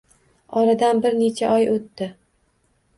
Oradan bir necha oy oʻtdi